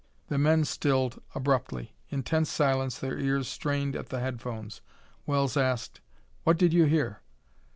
The men stilled abruptly. In tense silence their ears strained at the headphones. Wells asked: "What did you hear?"